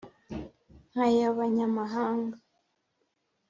Nk' ay' abanyamahanga